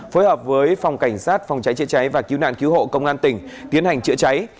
phối hợp với phòng cảnh sát phòng cháy chữa cháy và cứu nạn cứu hộ công an tỉnh tiến hành chữa cháy